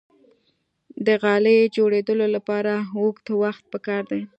د غالۍ جوړیدو لپاره اوږد وخت پکار دی.